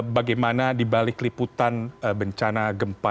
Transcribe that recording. bagaimana dibalik liputan bencana gempa